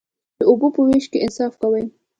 د اوبو په ویش کې انصاف کوئ؟